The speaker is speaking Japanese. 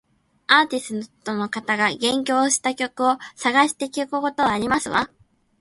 アーティストの方が言及した曲を探して聞くことはありますわ